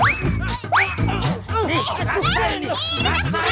ihh kasi kasih this